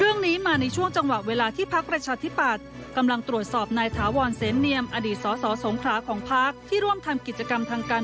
เรื่องนี้มาในช่วงจังหวะเวลาที่พักประชาธิปัตย์กำลังตรวจสอบนายถาวรเสนเนียมอดีตสอสอสงขราของพักที่ร่วมทำกิจกรรมทางการ